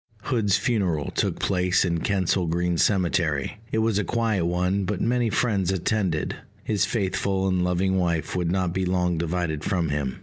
Hood's funeral took place in Kensal Green Cemetery: it was a quiet one, but many friends attended. His faithful and loving wife would not be long divided from him.